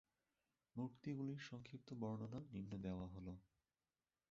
মূর্তিগুলির সংক্ষিপ্ত বর্ণনা নিম্নে দেওয়া হল